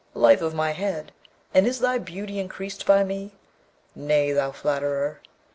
Life of my head! and is thy beauty increased by me? Nay, thou flatterer!'